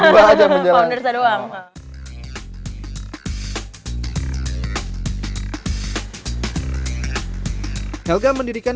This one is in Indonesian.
berdua aja menjalankan